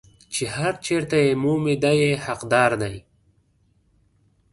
چې هر چېرته یې مومي دی یې حقدار دی.